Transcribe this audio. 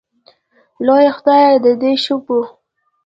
لویه خدایه د دې شګو